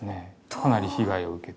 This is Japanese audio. かなり被害を受けている。